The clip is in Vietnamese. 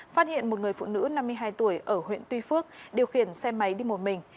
phát hiện một người phụ nữ năm mươi hai tuổi ở huyện tuy phước điều khiển xe máy đi một mình